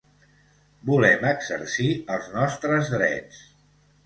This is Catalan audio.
Volem exercir els nostres drets.